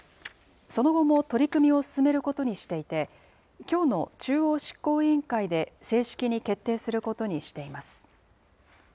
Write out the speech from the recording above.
その後も取り組みを進めることにしていて、きょうの中央執行委員会で正式に決定することにしています。